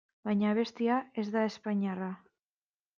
Baina abestia ez da espainiarra.